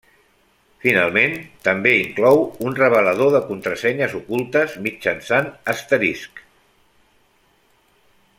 Finalment, també inclou un revelador de contrasenyes ocultes mitjançant asteriscs.